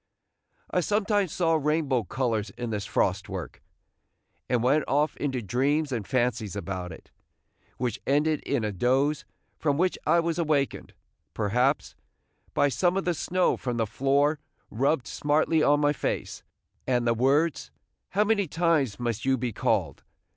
I sometimes saw rainbow colors in this frost work, and went off into dreams and fancies about it, which ended in a doze, from which I was awakened, perhaps, by some of the snow from the floor rubbed smartly on my face, and the words, "How many times must you be called?"